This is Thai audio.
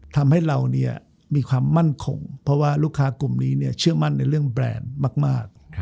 ทำให้เรามีความมั่นคงเพราะว่าลูกค้ากลุ่มนี้เชื่อมั่นในเรื่องแบรนด์มาก